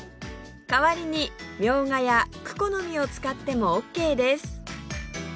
代わりにみょうがやクコの実を使ってもオーケーです